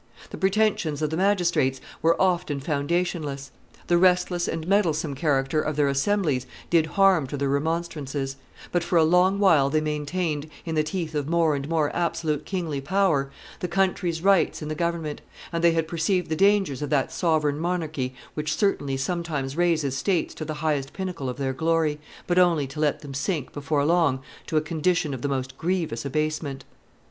The pretensions of the magistrates were often foundationless, the restless and meddlesome character of their assemblies did harm to their remonstrances; but for a long while they maintained, in the teeth of more and more absolute kingly power, the country's rights in the government, and they had perceived the dangers of that sovereign monarchy which certainly sometimes raises states to the highest pinnacle of their glory, but only to let them sink before long to a condition of the most grievous abasement.